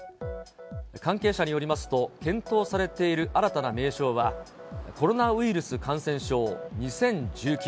関係者によりますと、検討されている新たな名称は、コロナウイルス感染症２０１９。